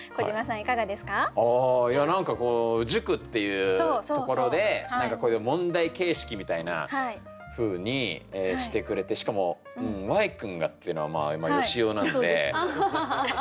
ああいや何かこう塾っていうところで何かこういう問題形式みたいなふうにしてくれてしかも「Ｙ君が」っていうのはまあよしおなんで。